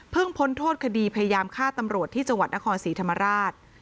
พ้นโทษคดีพยายามฆ่าตำรวจที่จังหวัดนครศรีธรรมราช